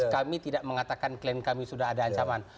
kami tidak mengatakan klien kami sudah ada ancaman